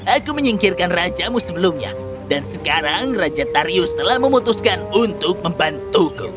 aku menyingkirkan rajamu sebelumnya dan sekarang raja tarius telah memutuskan untuk membantuku